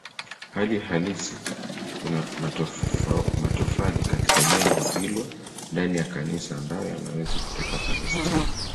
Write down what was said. Hali halisi kuna matofali katika jengo hilo ndani ya kanisa ambayo yanaweza kutoka Palestina.